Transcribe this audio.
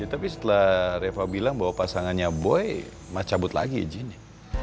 tapi setelah reva bilang bahwa pasangannya boy cabut lagi izinnya